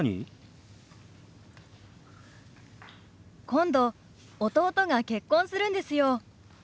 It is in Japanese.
今度弟が結婚するんですよ。